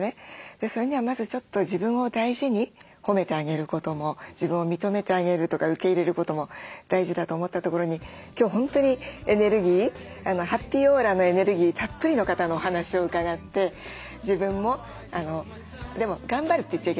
それにはまずちょっと自分を大事に褒めてあげることも自分を認めてあげるとか受け入れることも大事だと思ったところに今日本当にハッピーオーラのエネルギーたっぷりの方のお話を伺って自分もでも「頑張る」って言っちゃいけないのね。